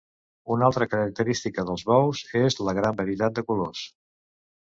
Una altra característica dels bous és la gran varietat de colors.